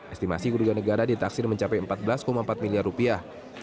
estimasi kerugian negara ditaksir mencapai empat belas empat miliar rupiah